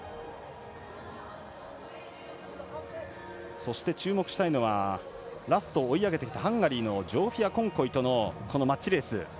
そして注目したいのはラスト追い上げてきたハンガリーのジョーフィア・コンコイとのこのマッチレース。